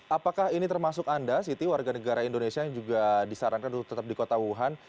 apakah ini termasuk anda siti warga negara indonesia yang juga disarankan untuk tetap di kota wuhan